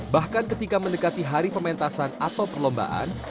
bahkan ketika mendekati hari pementasan atau perlombaan